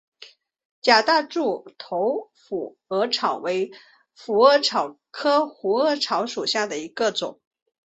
假大柱头虎耳草为虎耳草科虎耳草属下的一个种。